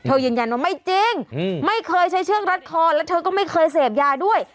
ยืนยันว่าไม่จริงไม่เคยใช้เชือกรัดคอแล้วเธอก็ไม่เคยเสพยาด้วย